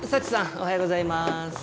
おはようございます。